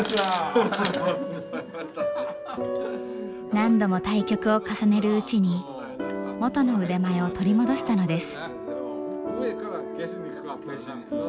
何度も対局を重ねるうちに元の腕前を取り戻したのです。